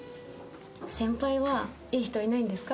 先輩はいい人いないんですか？